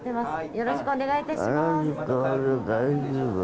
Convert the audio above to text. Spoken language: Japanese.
よろしくお願いします。